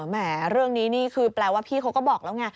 แหมเรื่องนี้นี่คือแปลว่าพี่เขาก็บอกแล้วไง